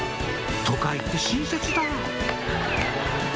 「都会って親切だぁ」